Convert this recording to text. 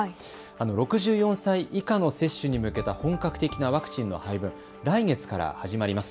６４歳以下の接種に向けた本格的なワクチンの配分、来月から始まります。